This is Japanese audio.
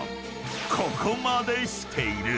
ここまでしている？